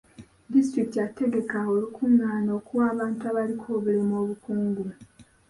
Disitulikiti yategeka olukungaana okuwa abantu abaliko obulemu obukugu.